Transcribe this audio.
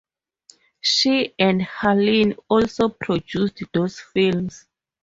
She and Harlin also produced those films.